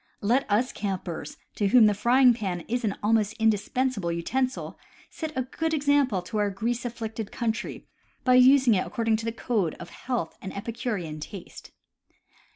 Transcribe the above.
Let us campers, to whom the frying pan is an almost indispensable utensil, set a good example to our grease afflicted country by using it according to the code of health and epicurean taste.